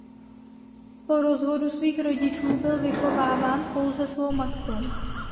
Po rozvodu svých rodičů byl vychováván pouze svou matkou.